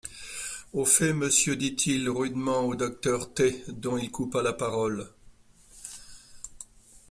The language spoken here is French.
Au fait, monsieur, dit-il rudement au docteur T..., dont il coupa la parole.